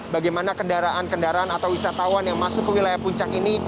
bagaimana kendaraan kendaraan atau wisatawan yang masuk ke wilayah puncak ini